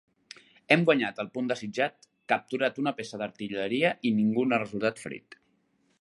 Hem guanyat el punt desitjat, capturat una peça d'artilleria i ningú no ha resultat ferit.